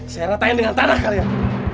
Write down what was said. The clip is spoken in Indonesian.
saya ratain dengan tanah kalian